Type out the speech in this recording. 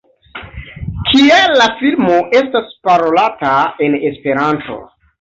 Kial la filmo estas parolata en Esperanto?